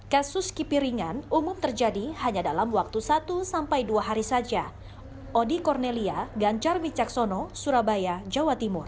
kasus kipi ringan umum terjadi hanya dalam waktu satu sampai dua hari saja